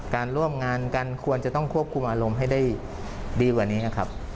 การร่วมงานกันควรจะต้องควบคุมอารมณ์ให้ได้ดีกว่านี้นะครับ